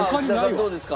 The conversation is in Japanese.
どうですか？